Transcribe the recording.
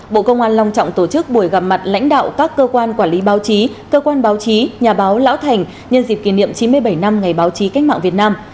bộ công an long trọng tổ chức buổi gặp mặt lãnh đạo các cơ quan quản lý báo chí cơ quan báo chí nhà báo lão thành nhân dịp kỷ niệm chín mươi bảy năm ngày báo chí cách mạng việt nam